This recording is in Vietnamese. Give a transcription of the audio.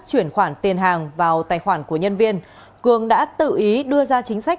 chuyển khoản tiền hàng vào tài khoản của nhân viên cường đã tự ý đưa ra chính sách